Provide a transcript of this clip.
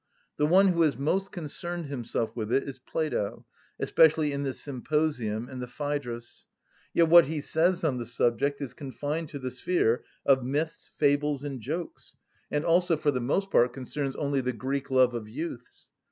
The one who has most concerned himself with it is Plato, especially in the "Symposium" and the "Phædrus." Yet what he says on the subject is confined to the sphere of myths, fables, and jokes, and also for the most part concerns only the Greek love of youths.